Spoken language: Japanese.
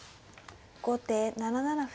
後手７七歩。